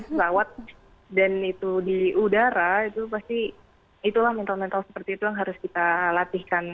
pesawat dan itu di udara itu pasti itulah mental mental seperti itu yang harus kita latihkan